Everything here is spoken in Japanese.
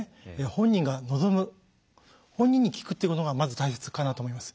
本人が望む本人に聞くっていうことがまず大切かなと思います。